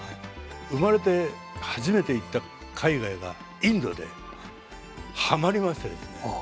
生まれて初めて行った海外がインドではまりましてですね。